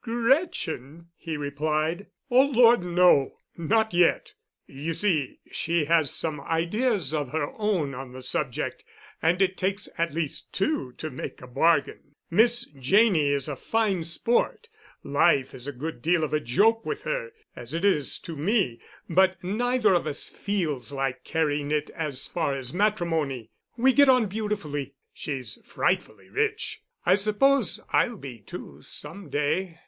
"Gretchen?" he replied. "Oh, Lord, no! Not yet. You see she has some ideas of her own on the subject, and it takes at least two to make a bargain. Miss Janney is a fine sport. Life is a good deal of a joke with her, as it is to me, but neither of us feels like carrying it as far as matrimony. We get on beautifully. She's frightfully rich. I suppose I'll be, too, some day.